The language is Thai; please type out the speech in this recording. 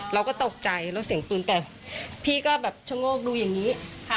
เราก็ตกใจแล้วเสียงปืนแตกพี่ก็แบบชะโงกดูอย่างนี้ค่ะ